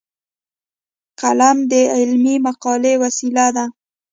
قلم د علمي مقالې وسیله ده